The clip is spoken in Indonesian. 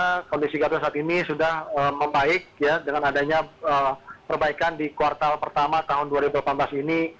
karena kondisi garuda saat ini sudah membaik dengan adanya perbaikan di kuartal pertama tahun dua ribu delapan belas ini